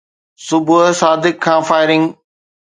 صبح صادق کان فائرنگ